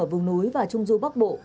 ở vùng núi và trung du bắc bộ